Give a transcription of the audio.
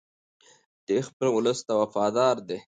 دی خپل ولس ته وفادار دی.